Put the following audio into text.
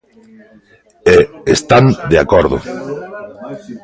E están de acordo.